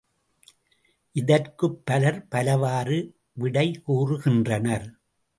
இதற்குப் பலர் பலவாறு விடைகூறுகின்றனர்.